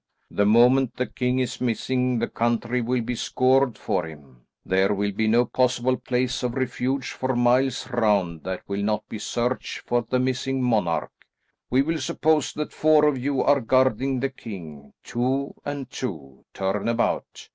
The moment the king is missing the country will be scoured for him. There will be no possible place of refuge for miles round that will not be searched for the missing monarch. We will suppose that four of you are guarding the king, two and two, turn about.